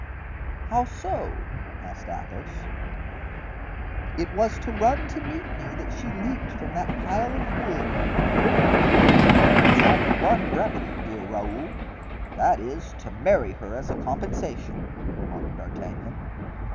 "How so?" asked Athos. "It was to run to meet me that she leaped from that pile of wood." "There's only one remedy, dear Raoul—that is, to marry her as a compensation." remarked D'Artagnan.